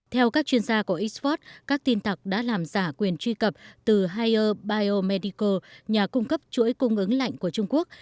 theo các chuyên gia của oxford các tin tặc đã làm giả quyền truy cập từ higher biomedical nhà cung cấp chuỗi cung ứng lạnh của trung quốc